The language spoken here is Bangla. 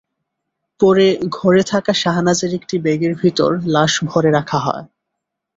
পরে ঘরে থাকা শাহনাজের একটি ব্যাগের ভেতর লাশ ভরে রাখা হয়।